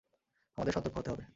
আমাদের সতর্ক হতে হবে!